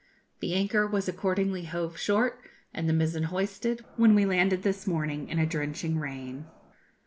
The anchor was accordingly hove short, and the mizen hoisted, when we landed this morning, in a drenching rain.